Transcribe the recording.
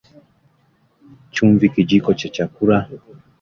Chumvi Kijiko cha chakula